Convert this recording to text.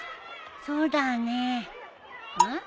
そうだねうん？